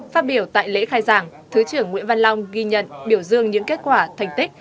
phát biểu tại lễ khai giảng thứ trưởng nguyễn văn long ghi nhận biểu dương những kết quả thành tích